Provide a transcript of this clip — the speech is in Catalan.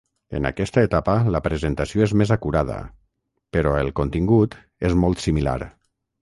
En aquesta etapa, la presentació és més acurada, però el contingut és molt similar.